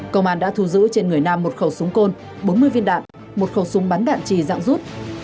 công an đã thu giữ trên người nam một khẩu súng côn bốn mươi viên đạn một khẩu súng bắn đạn trì dạng rút